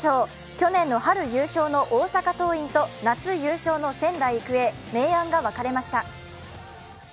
去年の春優勝の大阪桐蔭と夏優勝の仙台育英、明暗が分かれました。